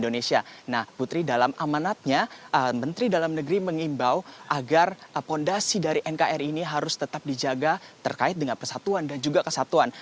nah putri dalam amanatnya menteri dalam negeri mengimbau agar fondasi dari nkri ini harus tetap dijaga terkait dengan persatuan dan juga kesatuan